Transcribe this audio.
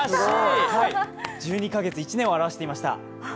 １２カ月、１年を表してました。